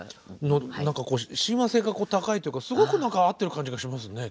の何かこう親和性が高いというかすごく合ってる感じがしますね。